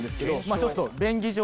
あちょっと便宜上